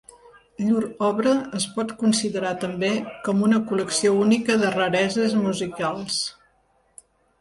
Llur obra es pot considerar també com una col·lecció única de rareses musicals.